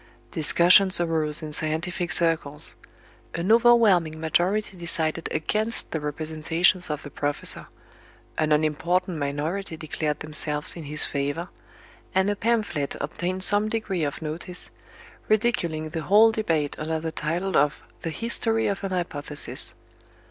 Discussions arose in scientific circles; an overwhelming majority decided against the representations of the professor; an unimportant minority declared themselves in his favor, and a pamphlet obtained some degree of notice, ridiculing the whole debate under the title of "The History of an Hypothesis."